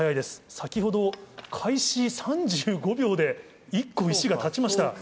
先ほど開始３５秒で１個石が立ちました。